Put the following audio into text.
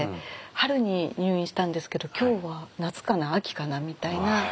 春に入院したんですけど「今日は夏かな秋かな」みたいな。